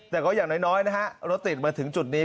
แต่ก็อย่างน้อยนะฮะรถติดมาถึงจุดนี้